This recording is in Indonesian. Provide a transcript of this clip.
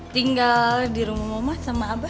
tinggal di rumah mama sama abah